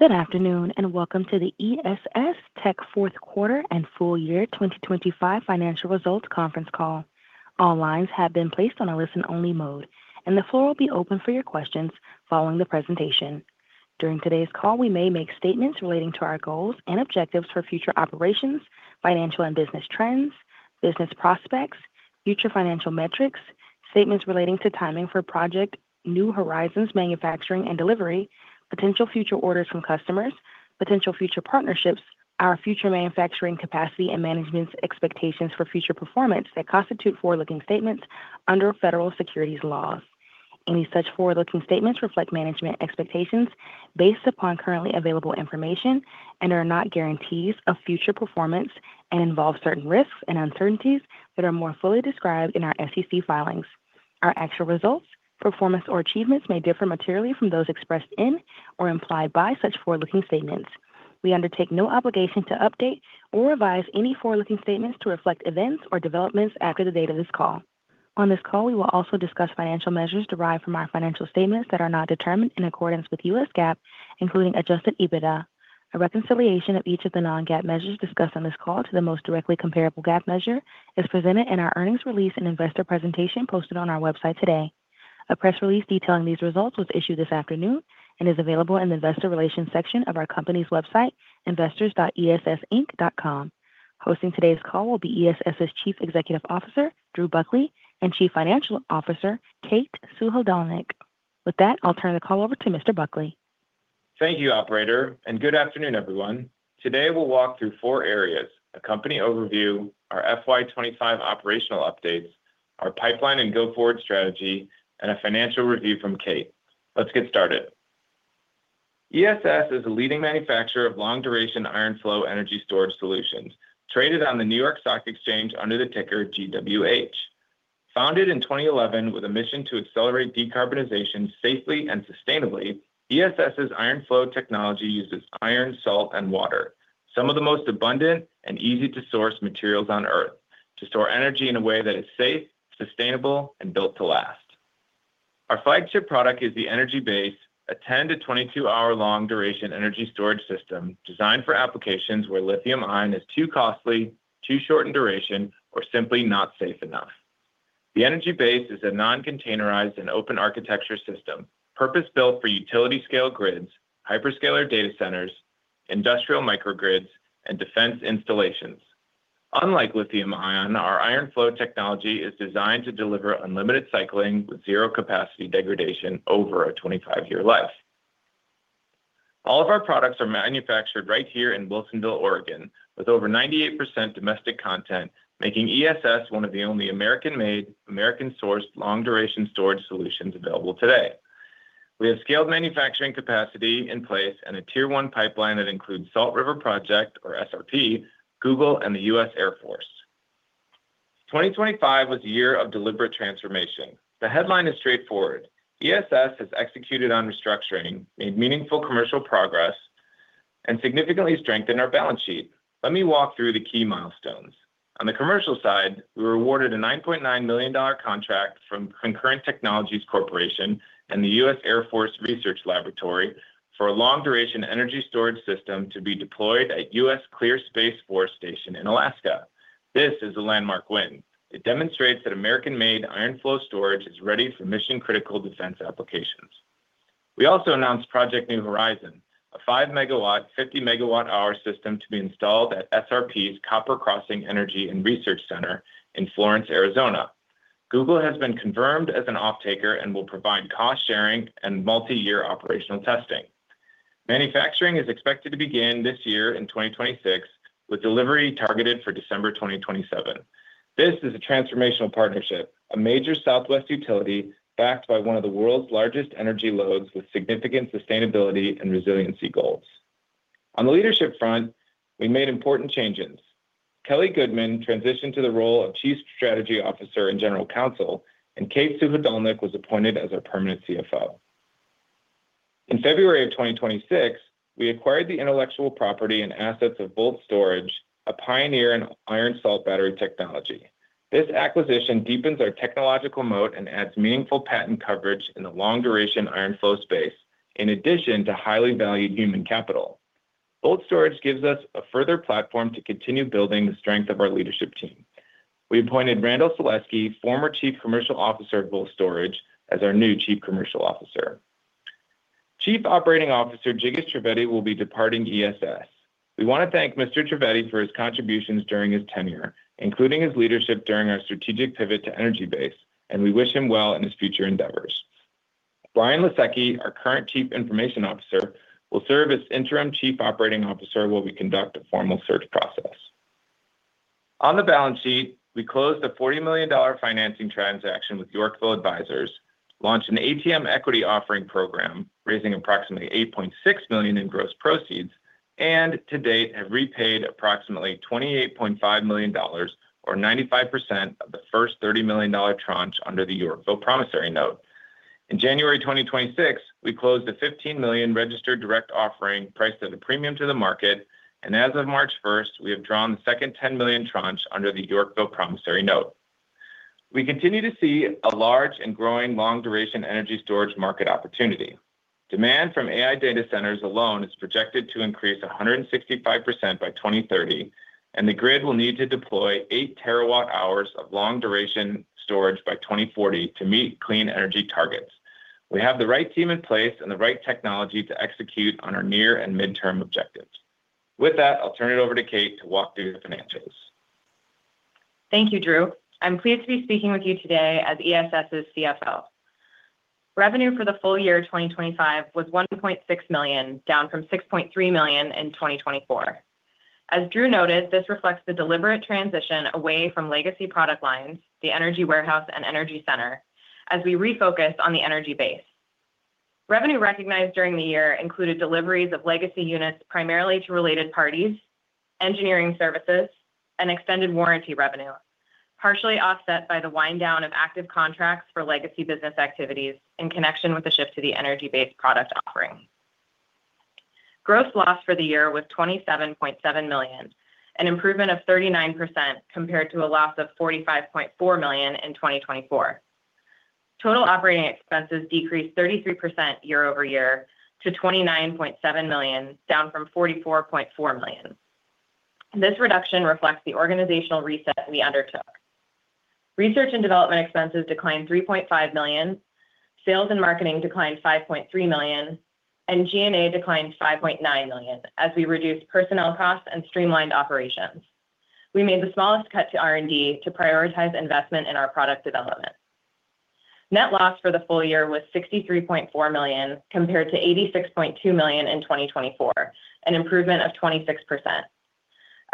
Good afternoon, welcome to the ESS Tech fourth quarter and full year 2025 financial results conference call. All lines have been placed on a listen-only mode, and the floor will be open for your questions following the presentation. During today's call, we may make statements relating to our goals and objectives for future operations, financial and business trends, business prospects, future financial metrics, statements relating to timing for Project New Horizon manufacturing and delivery, potential future orders from customers, potential future partnerships, our future manufacturing capacity and management's expectations for future performance that constitute forward-looking statements under federal securities laws. Any such forward-looking statements reflect management expectations based upon currently available information and are not guarantees of future performance and involve certain risks and uncertainties that are more fully described in our SEC filings. Our actual results, performance, or achievements may differ materially from those expressed in or implied by such forward-looking statements. We undertake no obligation to update or revise any forward-looking statements to reflect events or developments after the date of this call. On this call, we will also discuss financial measures derived from our financial statements that are not determined in accordance with U.S. GAAP, including adjusted EBITDA. A reconciliation of each of the non-GAAP measures discussed on this call to the most directly comparable GAAP measure is presented in our earnings release and investor presentation posted on our website today. A press release detailing these results was issued this afternoon and is available in the Investor Relations section of our company's website, investors.essinc.com. Hosting today's call will be ESS' Chief Executive Officer, Drew Buckley, and Chief Financial Officer, Kate Suhadolnik. With that, I'll turn the call over to Mr. Buckley. Thank you, operator. Good afternoon, everyone. Today we'll walk through four areas: a company overview, our FY 2025 operational updates, our pipeline and go-forward strategy, and a financial review from Kate. Let's get started. ESS is a leading manufacturer of long-duration iron flow energy storage solutions, traded on the New York Stock Exchange under the ticker GWH. Founded in 2011 with a mission to accelerate decarbonization safely and sustainably, ESS' iron flow technology uses iron, salt, and water, some of the most abundant and easy-to-source materials on Earth, to store energy in a way that is safe, sustainable, and built to last. Our flagship product is the Energy Base, a 10 to 22-hour long-duration energy storage system designed for applications where lithium-ion is too costly, too short in duration, or simply not safe enough. The Energy Base is a non-containerized and open architecture system, purpose-built for utility-scale grids, hyperscaler data centers, industrial microgrids, and defense installations. Unlike lithium-ion, our iron flow technology is designed to deliver unlimited cycling with zero capacity degradation over a 25-year life. All of our products are manufactured right here in Wilsonville, Oregon, with over 98% domestic content, making ESS one of the only American-made, American-sourced long-duration storage solutions available today. We have scaled manufacturing capacity in place and a tier one pipeline that includes Salt River Project or SRP, Google, and the U.S. Air Force. 2025 was a year of deliberate transformation. The headline is straightforward. ESS has executed on restructuring, made meaningful commercial progress, and significantly strengthened our balance sheet. Let me walk through the key milestones. On the commercial side, we were awarded a $9.9 million contract from Concurrent Technologies Corporation and the U.S. Air Force Research Laboratory for a long-duration energy storage system to be deployed at U.S. Clear Space Force Station in Alaska. This is a landmark win. It demonstrates that American-made iron flow storage is ready for mission-critical defense applications. We also announced Project New Horizon, a 5 MW, 50 MWh system to be installed at SRP's Copper Crossing Energy and Research Center in Florence, Arizona. Google has been confirmed as an offtaker and will provide cost sharing and multi-year operational testing. Manufacturing is expected to begin this year in 2026, with delivery targeted for December 2027. This is a transformational partnership, a major Southwest utility backed by one of the world's largest energy loads with significant sustainability and resiliency goals. On the leadership front, we made important changes. Kelly Goodman transitioned to the role of Chief Strategy Officer and General Counsel, and Kate Suhadolnik was appointed as our permanent CFO. In February of 2026, we acquired the intellectual property and assets of VoltStorage, a pioneer in iron salt battery technology. This acquisition deepens our technological moat and adds meaningful patent coverage in the long-duration iron flow space, in addition to highly valued human capital. VoltStorage gives us a further platform to continue building the strength of our leadership team. We appointed Randall Selesky, former Chief Commercial Officer of VoltStorage, as our new Chief Commercial Officer. Chief Operating Officer Jigish Trivedi will be departing ESS. We want to thank Mr. Trivedi for his contributions during his tenure, including his leadership during our strategic pivot to Energy Base, and we wish him well in his future endeavors. Brian Lasecki, our current Chief Information Officer, will serve as Interim Chief Operating Officer while we conduct a formal search process. On the balance sheet, we closed a $40 million financing transaction with Yorkville Advisors, launched an ATM equity offering program, raising approximately $8.6 million in gross proceeds, and to date have repaid approximately $28.5 million or 95% of the first $30 million tranche under the Yorkville promissory note. In January 2026, we closed a $15 million registered direct offering priced at a premium to the market, and as of March 1st, we have drawn the second $10 million tranche under the Yorkville promissory note. We continue to see a large and growing long-duration energy storage market opportunity. Demand from AI data centers alone is projected to increase 165% by 2030, and the grid will need to deploy 8 TWh of long-duration storage by 2040 to meet clean energy targets. We have the right team in place and the right technology to execute on our near and midterm objectives. With that, I'll turn it over to Kate to walk through the financials. Thank you, Drew. I'm pleased to be speaking with you today as ESS's CFO. Revenue for the full year 2025 was $1.6 million, down from $6.3 million in 2024. As Drew noted, this reflects the deliberate transition away from legacy product lines, the Energy Warehouse, and Energy Center as we refocus on the Energy Base. Revenue recognized during the year included deliveries of legacy units primarily to related parties, engineering services, and extended warranty revenue, partially offset by the wind-down of active contracts for legacy business activities in connection with the shift to the Energy Base product offering. Gross loss for the year was $27.7 million, an improvement of 39% compared to a loss of $45.4 million in 2024. Total operating expenses decreased 33% year-over-year to $29.7 million, down from $44.4 million. This reduction reflects the organizational reset we undertook. Research and development expenses declined $3.5 million, sales and marketing declined $5.3 million, G&A declined $5.9 million as we reduced personnel costs and streamlined operations. We made the smallest cut to R&D to prioritize investment in our product development. Net loss for the full year was $63.4 million compared to $86.2 million in 2024, an improvement of 26%.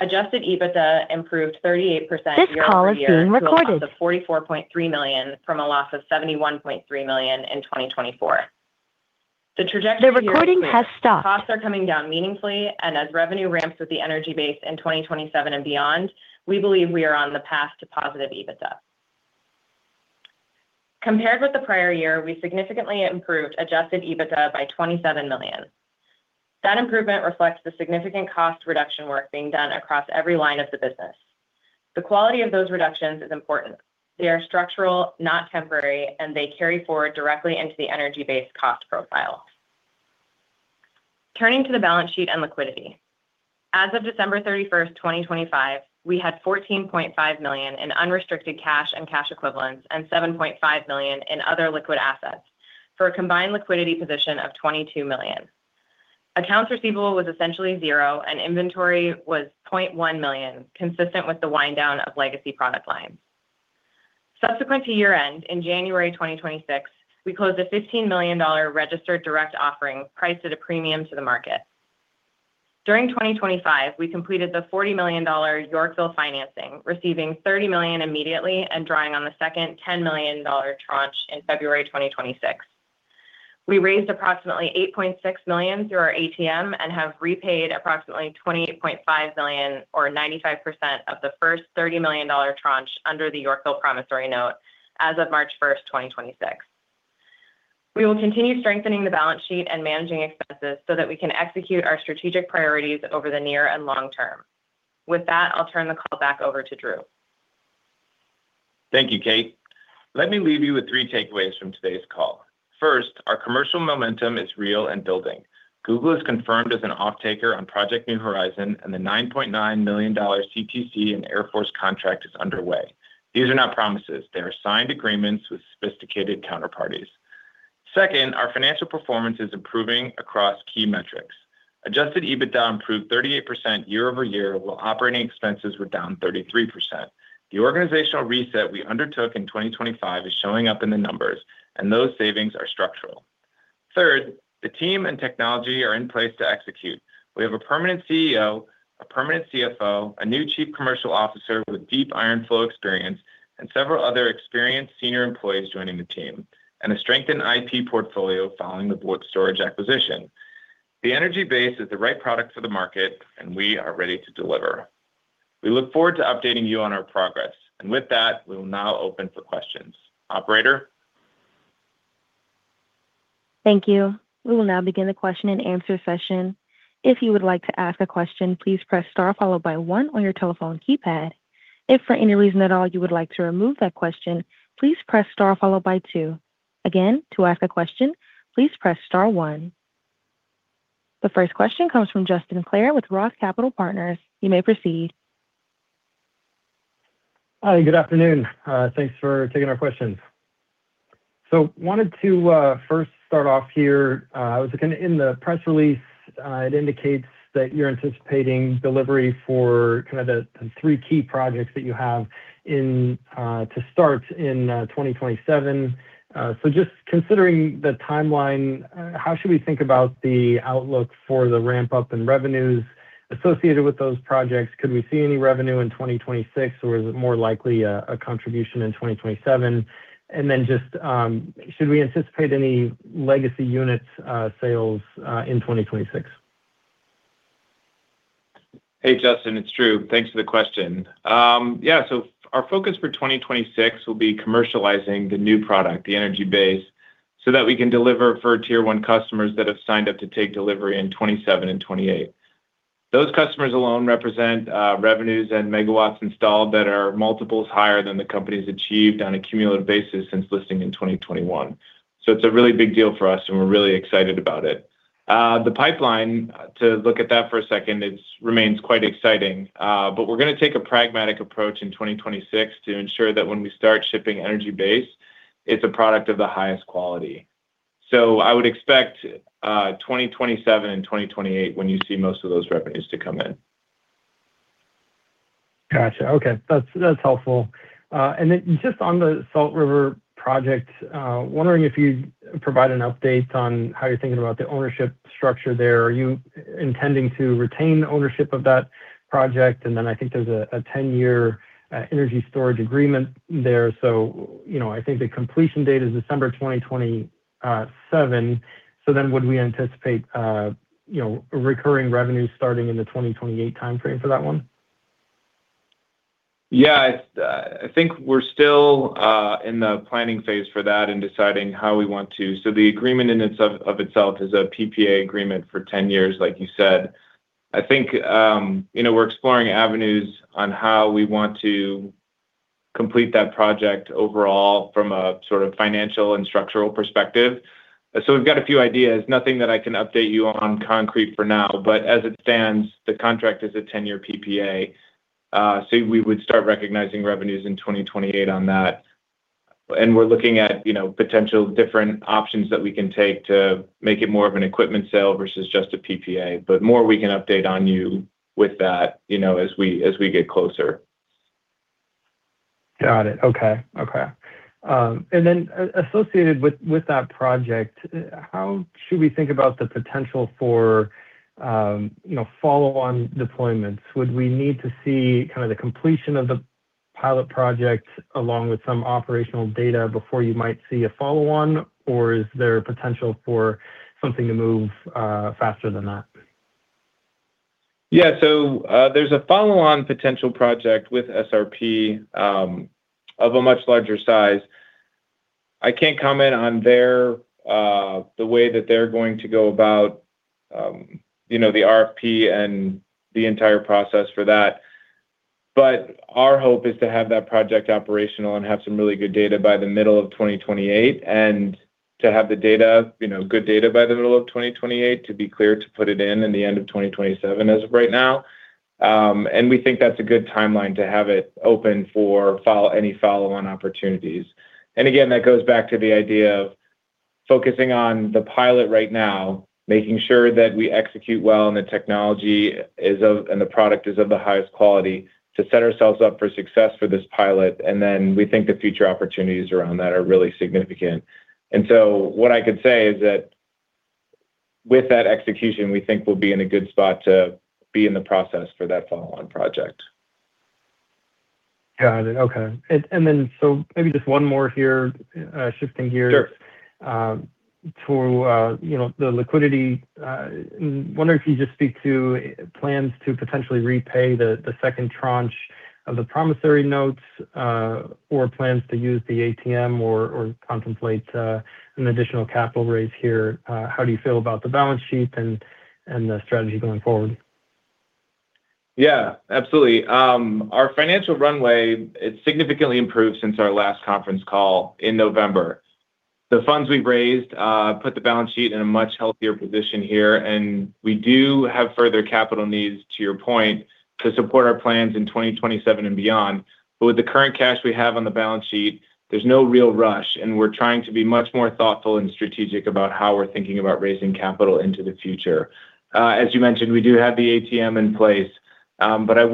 Adjusted EBITDA improved 38% year-over-year. This call is being recorded to a loss of $44.3 million, from a loss of $71.3 million in 2024. The trajectory here is clear. The recording has stopped. Costs are coming down meaningfully. As revenue ramps with the Energy Base in 2027 and beyond, we believe we are on the path to positive EBITDA. Compared with the prior year, we significantly improved adjusted EBITDA by $27 million. That improvement reflects the significant cost reduction work being done across every line of the business. The quality of those reductions is important. They are structural, not temporary, and they carry forward directly into the Energy Base cost profile. Turning to the balance sheet and liquidity. As of December 31st, 2025, we had $14.5 million in unrestricted cash and cash equivalents, and $7.5 million in other liquid assets for a combined liquidity position of $22 million. Accounts receivable was essentially 0, and inventory was $0.1 million, consistent with the wind-down of legacy product lines. Subsequent to year-end, in January 2026, we closed a $15 million registered direct offering priced at a premium to the market. During 2025, we completed the $40 million Yorkville financing, receiving $30 million immediately and drawing on the second $10 million tranche in February 2026. We raised approximately $8.6 million through our ATM and have repaid approximately $20.5 million or 95% of the first $30 million tranche under the Yorkville promissory note as of March first, 2026. We will continue strengthening the balance sheet and managing expenses so that we can execute our strategic priorities over the near and long term. With that, I'll turn the call back over to Drew. Thank you, Kate. Let me leave you with three takeaways from today's call. First, our commercial momentum is real and building. Google is confirmed as an offtaker on Project New Horizon, and the $9.9 million CTC and Air Force contract is underway. These are not promises. They are signed agreements with sophisticated counterparties. Second, our financial performance is improving across key metrics. adjusted EBITDA improved 38% year-over-year, while operating expenses were down 33%. The organizational reset we undertook in 2025 is showing up in the numbers, and those savings are structural. Third, the team and technology are in place to execute. We have a permanent CEO, a permanent CFO, a new Chief Commercial Officer with deep iron flow experience and several other experienced senior employees joining the team, and a strengthened IP portfolio following the VoltStorage GmbH acquisition. The Energy Base is the right product for the market, and we are ready to deliver. We look forward to updating you on our progress. With that, we will now open for questions. Operator? Thank you. We will now begin the question and answer session. If you would like to ask a question, please press star followed by one on your telephone keypad. If for any reason at all you would like to remove that question, please press star followed by two. Again, to ask a question, please press star one. The first question comes from Justin Clare with Roth Capital Partners. You may proceed. Hi, good afternoon. Thanks for taking our questions. Wanted to first start off here. I was looking in the press release, it indicates that you're anticipating delivery for kind of the three key projects that you have in to start in 2027. Just considering the timeline, how should we think about the outlook for the ramp-up in revenues associated with those projects? Could we see any revenue in 2026, or is it more likely a contribution in 2027? Just should we anticipate any legacy units sales in 2026? Hey, Justin, it's Drew. Thanks for the question. Yeah. Our focus for 2026 will be commercializing the new product, the Energy Base, so that we can deliver for tier one customers that have signed up to take delivery in 2027 and 2028. Those customers alone represent revenues and megawatts installed that are multiples higher than the companies achieved on a cumulative basis since listing in 2021. It's a really big deal for us, and we're really excited about it. The pipeline, to look at that for a second, it remains quite exciting. We're gonna take a pragmatic approach in 2026 to ensure that when we start shipping Energy Base, it's a product of the highest quality. I would expect 2027 and 2028 when you see most of those revenues to come in. Gotcha. Okay. That's, that's helpful. Just on the Salt River Project, wondering if you'd provide an update on how you're thinking about the ownership structure there. Are you intending to retain ownership of that project? I think there's a 10-year energy storage agreement there. You know, I think the completion date is December 2027. Would we anticipate, you know, recurring revenue starting in the 2028 timeframe for that one? Yeah. I think we're still in the planning phase for that and deciding how we want to. The agreement of itself is a PPA agreement for 10 years, like you said. I think, you know, we're exploring avenues on how we want to complete that project overall from a sort of financial and structural perspective. We've got a few ideas. Nothing that I can update you on concrete for now, but as it stands, the contract is a 10-year PPA, so we would start recognizing revenues in 2028 on that. We're looking at, you know, potential different options that we can take to make it more of an equipment sale versus just a PPA. More we can update on you with that, you know, as we get closer. Got it. Okay. Okay. Associated with that project, how should we think about the potential for, you know, follow-on deployments? Would we need to see kind of the completion of the pilot project along with some operational data before you might see a follow-on, or is there potential for something to move faster than that? Yeah. There's a follow-on potential project with SRP of a much larger size. I can't comment on their, the way that they're going to go about, you know, the RFP and the entire process for that. Our hope is to have that project operational and have some really good data by the middle of 2028 and to have the data, you know, good data by the middle of 2028 to be clear to put it in in the end of 2027 as of right now. We think that's a good timeline to have it open for any follow-on opportunities. Again, that goes back to the idea of focusing on the pilot right now, making sure that we execute well and the technology is of and the product is of the highest quality to set ourselves up for success for this pilot. We think the future opportunities around that are really significant. What I could say is that with that execution, we think we'll be in a good spot to be in the process for that follow-on project. Got it. Okay. Maybe just one more here, shifting gears. Sure. To, you know, the liquidity. Wondering if you just speak to plans to potentially repay the second tranche of the promissory notes, or plans to use the ATM or contemplate an additional capital raise here? How do you feel about the balance sheet and the strategy going forward? Yeah, absolutely. Our financial runway, it's significantly improved since our last conference call in November. The funds we've raised, put the balance sheet in a much healthier position here. We do have further capital needs, to your point, to support our plans in 2027 and beyond. With the current cash we have on the balance sheet, there's no real rush. We're trying to be much more thoughtful and strategic about how we're thinking about raising capital into the future. As you mentioned, we do have the ATM in place. I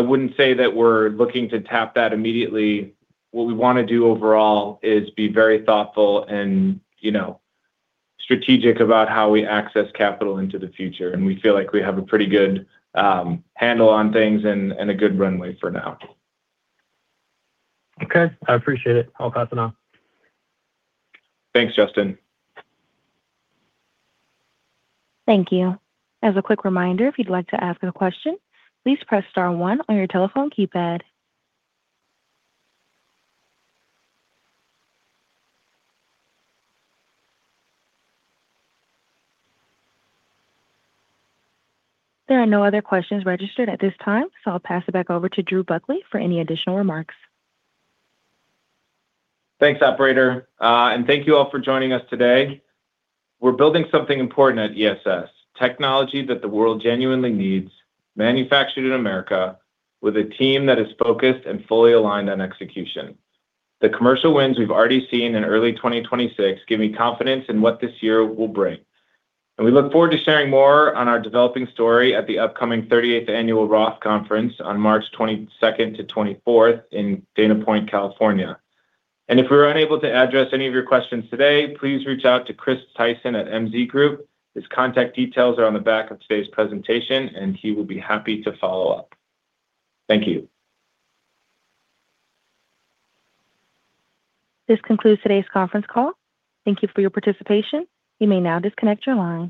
wouldn't say that we're looking to tap that immediately. What we wanna do overall is be very thoughtful and, you know, strategic about how we access capital into the future. We feel like we have a pretty good handle on things and a good runway for now. Okay. I appreciate it. I'll pass it on. Thanks, Justin. Thank you. As a quick reminder, if you'd like to ask a question, please press star one on your telephone keypad. There are no other questions registered at this time. I'll pass it back over to Drew Buckley for any additional remarks. Thanks, operator. Thank you all for joining us today. We're building something important at ESS, technology that the world genuinely needs, manufactured in America, with a team that is focused and fully aligned on execution. The commercial wins we've already seen in early 2026 give me confidence in what this year will bring. We look forward to sharing more on our developing story at the upcoming 30th Annual Roth Conference on March 22nd-24th in Dana Point, California. If we were unable to address any of your questions today, please reach out to Chris Tyson at MZ Group. His contact details are on the back of today's presentation, and he will be happy to follow up. Thank you. This concludes today's conference call. Thank you for your participation. You may now disconnect your lines.